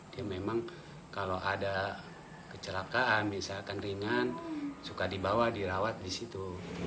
dia memang kalau ada kecelakaan misalkan ringan suka dibawa dirawat di situ